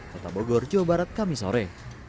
kota bogor jawa barat kami sore